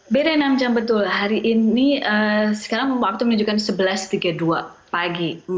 beda enam jam betul hari ini sekarang waktu menunjukkan sebelas tiga puluh dua pagi